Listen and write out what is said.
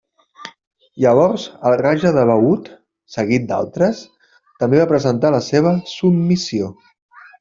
Llavors el raja de Baud, seguit d'altres, també va presentar la seva submissió.